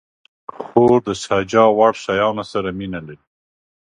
خور د سجاوړ شیانو سره مینه لري.